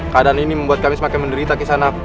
keadaan ini membuat kami semakin menderita kisanak